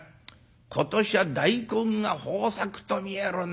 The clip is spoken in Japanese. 今年は大根が豊作と見えるね。